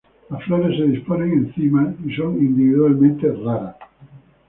Las flores se disponen en cimas y son individualmente raras.